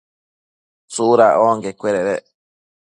¿tsuda onquecuededec?